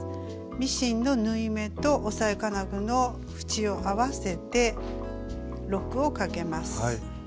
ミシンの縫い目と押さえ金具の縁を合わせてロックをかけます。